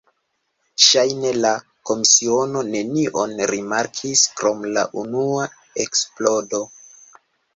Ŝajne la komisiono nenion rimarkis, krom la unua eksplodo.